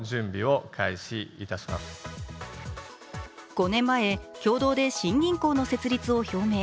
５年前、共同で新銀行の設立を表明。